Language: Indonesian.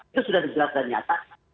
itu sudah dijelas dan nyata